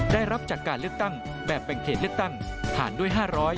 ได้รับจากการเลือกตั้งแบบแบ่งเขตเลือกตั้งผ่านด้วย๕๐๐